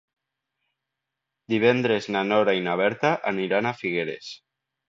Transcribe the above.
Divendres na Nora i na Berta aniran a Figueres.